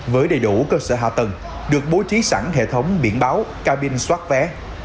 với đầy đủ cơ sở hạ tầng được bố trí sẵn hệ thống biển báo cabin soát vé